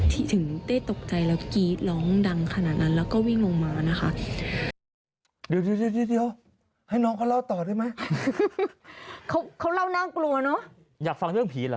ที่ถึงเต้นตกใจแล้วกี๊ร้องดังขนาดนั้น